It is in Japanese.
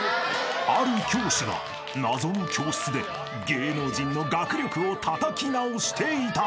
［ある教師が謎の教室で芸能人の学力をたたき直していた］